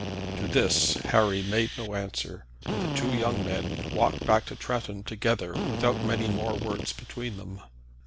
To this Harry made no answer, and the two young men walked back to Tretton together without many more words between them.